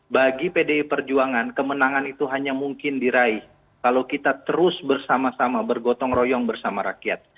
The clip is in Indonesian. bagi pdi perjuangan kemenangan itu hanya mungkin diraih kalau kita terus bersama sama bergotong royong bersama rakyat